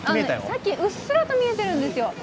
さっきうっすらと見えてるんですよ。